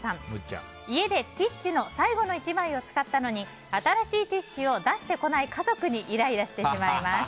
家で、ティッシュの最後の１枚を使ったのに新しいティッシュを出してこない家族にイライラしてしまいます。